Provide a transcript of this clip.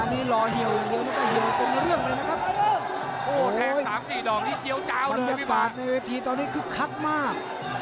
อันไว้อภีร์ตอนนี้คลักคับมาก